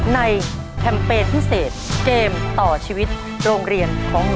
แคมเปญพิเศษเกมต่อชีวิตโรงเรียนของหนู